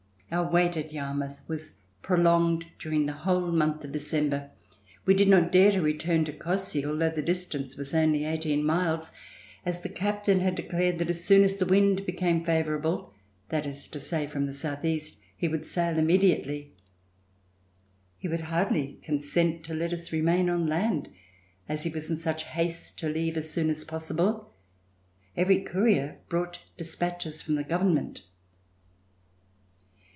Our wait at Yarmouth was prolonged during the whole month of December. We did not dare to return to Cossey, although the distance was only eighteen miles, as the Captain had declared that as soon as the wind became favorable, that is to say, from the southeast, he would sail immediately. He would hardly consent to let us remain on land, as he was in such haste to leave as soon as possible. Every courier brought dispatches from the government.